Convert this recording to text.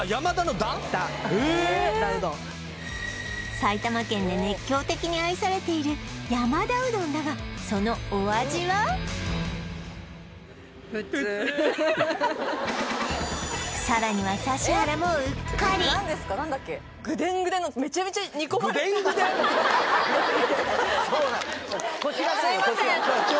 埼玉県で熱狂的に愛されている山田うどんだがそのお味はさらにはめちゃめちゃ煮込まれてぐでんぐでん？